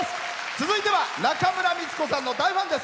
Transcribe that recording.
続いては中村美律子さんの大ファンです。